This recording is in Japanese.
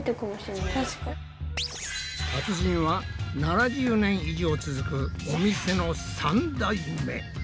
達人は７０年以上続くお店の３代目！